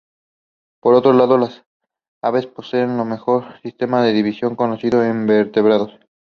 Por otro lado, las aves poseen el mejor sistema de visión conocido en vertebrados.